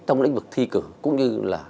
trong lĩnh vực thi cử cũng như là